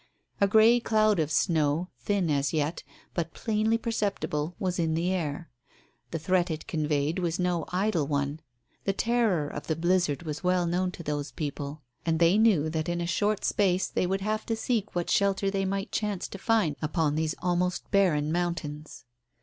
A grey cloud of snow, thin as yet, but plainly perceptible, was in the air. The threat it conveyed was no idle one. The terror of the blizzard was well known to those people. And they knew that in a short space they would have to seek what shelter they might chance to find upon these almost barren mountains.